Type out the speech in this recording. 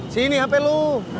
sini hp lu